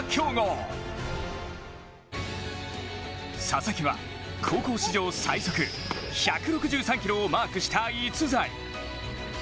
佐々木は高校史上最速１６３キロをマークした逸材。